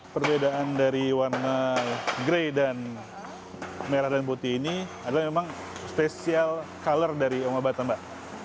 perbedaan dari warna grey dan merah dan putih ini adalah memang spesial color dari umumnya tembak